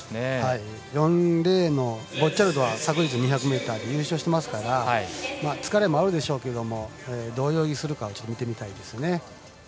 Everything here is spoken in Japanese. ４レーンのボッチャルドは昨日２００ｍで優勝してますから疲れもあるでしょうけどもどういう泳ぎをするか見てみたいですね。